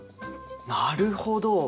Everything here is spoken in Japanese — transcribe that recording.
なるほど。